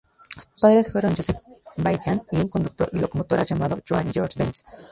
Sus padres fueron Josephine Vaillant y un conductor de locomotoras llamado Johann George Benz.